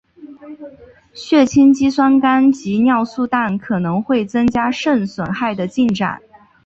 血清肌酸酐及尿素氮可能会增加肾损害的进展。